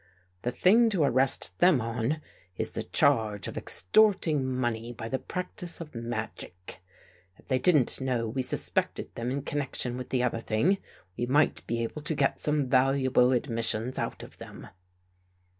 The thing to arrest them on is the charge of extorting money by the practice of magic. If they didn't know we sus pected them in connection with the other thing, we might be able to get some valuable admissions out of them."